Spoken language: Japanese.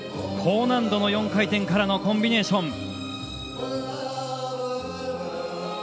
高難度の４回転からのコンビネーション。